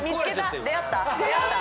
出会った？